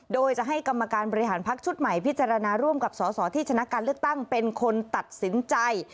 โดยจะให้กรรมการบริหารพักชุดใหม่พิจารณาร่วมกับสอสอที่ชนะการเลือกตั้งเป็นคนตัดสินใจ